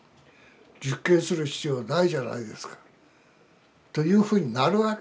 実験する必要ないじゃないですか。というふうになるわけですよ